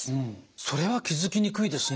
それは気付きにくいですね。